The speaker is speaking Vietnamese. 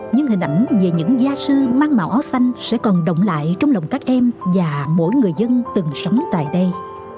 những hình ảnh về những gia sư mang màu áo xanh sẽ còn động lại trong lòng các em và mỗi người dân từng sống tại đây